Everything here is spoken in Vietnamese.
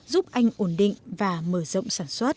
giúp anh ổn định và mở rộng sản xuất